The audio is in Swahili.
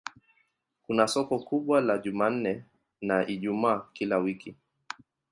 Kuna soko kubwa la Jumanne na Ijumaa kila wiki.